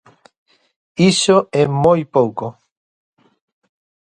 Iso e moi pouco.